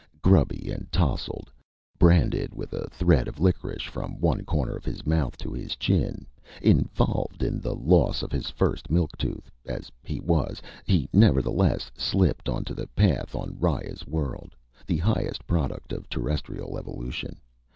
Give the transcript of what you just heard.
Grubby and tousled; branded with a thread of licorice from one corner of his mouth to his chin; involved in the loss of his first milk tooth, as he was he nevertheless slipped onto the path on Riya's world, the highest product of Terrestrial evolution.